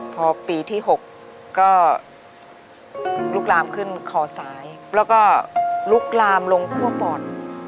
พอปีที่๖ก็ลุกลามขึ้นคอซ้ายแล้วก็ลุกลามลงทั่วปอด